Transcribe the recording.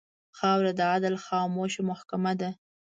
خاوره د عدل خاموشه محکمـه ده.